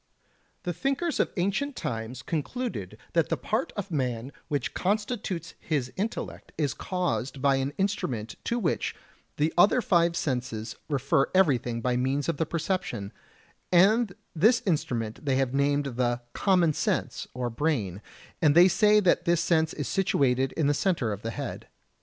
The thinkers of ancient times concluded that the part of man which constitutes his intellect is caused by an instrument to which the other five senses refer everything by means of the perception, and this instrument they have named the "common sense" or brain, and they say that this sense is situated in the centre of the head.